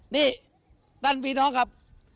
นี่ท่านพี่น้องครับ